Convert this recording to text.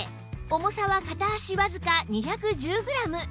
重さは片足わずか２１０グラム